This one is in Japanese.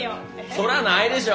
そらないでしょ！